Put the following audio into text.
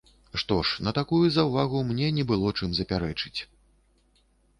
Што ж, на такую заўвагу мне не было чым запярэчыць.